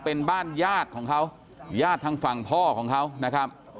เป็นบ้านญาติของเขาญาติทางฝั่งพ่อของเขานะครับ